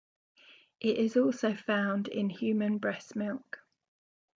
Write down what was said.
It is also found in human breast milk.